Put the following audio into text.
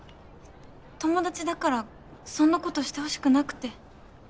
友達だからそんなことしてほしくなくて。